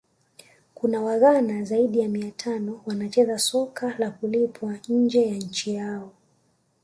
Kuna waghana zaidi ya mia tano wanacheza soka la kulipwa nje ya nchi yao